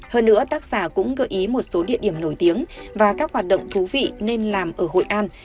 hơn nữa tác giả cũng gợi ý một số địa điểm nổi tiếng và các hoạt động thú vị nên làm ở hội an